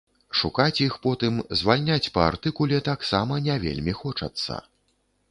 Шукаць іх потым, звальняць па артыкуле таксама не вельмі хочацца.